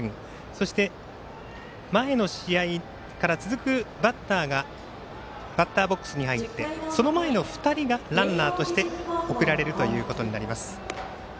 そして前の試合から続くバッターがバッターボックスに入ってその前の２人がランナーとして送られるということになります。